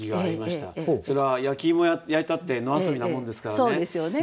それは焼き芋焼いたって野遊びなもんですからね。